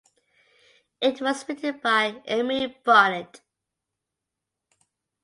It was written by Emery Bonnett.